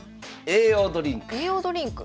栄養ドリンク。